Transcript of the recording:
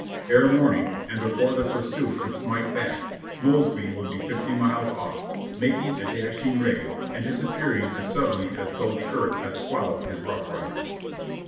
Ere morning, and before the pursued could smite back, Mosby would be fifty miles off, making a dashing raid and disappearing as suddenly as though the earth had swallowed his "Rough Riders."